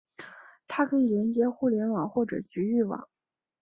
它可以连接互联网或者局域网。